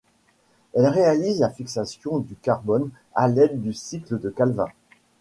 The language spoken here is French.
Elles réalisent la fixation du carbone à l'aide du cycle de Calvin.